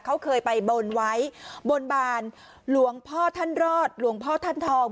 เขาเคยไปบนไว้บนบานหลวงพ่อท่านรอดหลวงพ่อท่านทอง